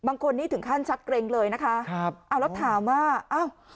บางคนนี่ถึงขั้นชักเกร็งเลยนะคะครับเอาแล้วถามว่าอ้าว